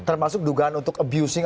termasuk dugaan untuk abusing